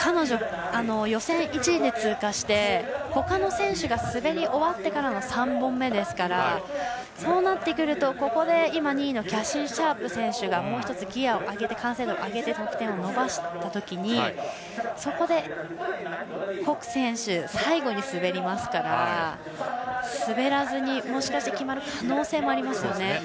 彼女、予選１位で通過してほかの選手が滑り終わってからの３本目ですからそうなってくるとここで今、２位のキャシー・シャープ選手がもう１つギヤを上げて完成度上げて得点を伸ばしたときそこで谷選手が最後に滑りますから滑らずに決まる可能性もありますね。